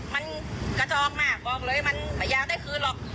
มันกระทองมากบอกเลยมันไม่อยากได้คืนหรอก